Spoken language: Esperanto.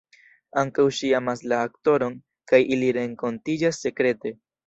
Ankaŭ ŝi amas la aktoron kaj ili renkontiĝas sekrete.